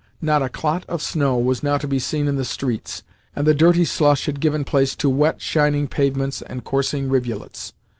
Not a clot of snow was now to be seen in the streets, and the dirty slush had given place to wet, shining pavements and coursing rivulets.